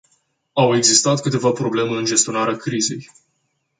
Au existat câteva probleme în gestionarea crizei.